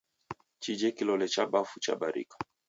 Chije kilole cha bafu chabarika